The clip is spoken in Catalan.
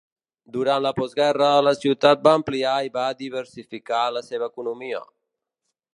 Durant la postguerra la ciutat va ampliar i va diversificar la seva economia.